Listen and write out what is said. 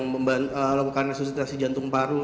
membuat resusitasi jantung paru